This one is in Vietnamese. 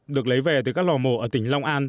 được lấy về từ các lò mổ ở tỉnh long an